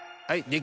はい！